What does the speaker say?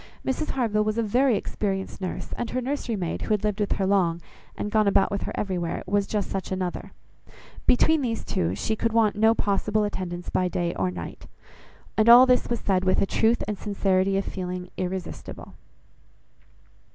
Mrs Harville was a very experienced nurse, and her nursery maid, who had lived with her long, and gone about with her everywhere, was just such another. Between these two, she could want no possible attendance by day or night. And all this was said with a truth and sincerity of feeling irresistible.